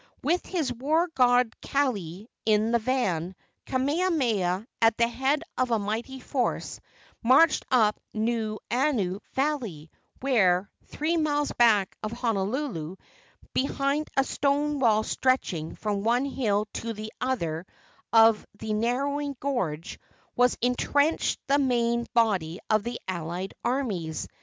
With his war god Kaili in the van, Kamehameha, at the head of a mighty force, marched up Nuuanu Valley, where, three miles back of Honolulu, behind a stone wall stretching from one hill to the other of the narrowing gorge, was entrenched the main body of the allied armies.